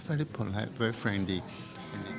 semua orang sangat baik sangat berkawan